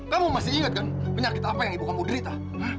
kamu masih ingat kan penyakit apa yang ibu kamu derita